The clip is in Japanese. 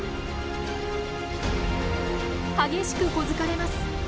激しく小突かれます。